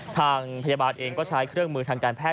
ทางพยาบาลเองก็ใช้เครื่องมือทางการแพท